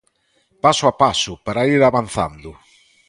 Paso a paso, para ir avanzando.